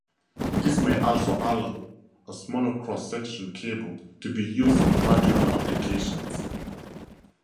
This may also allow a smaller cross-section cable to be used in particular applications.